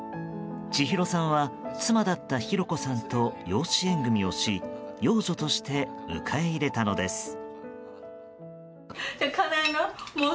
千尋さんは妻だった博子さんと養子縁組をし養女として迎え入れたのです。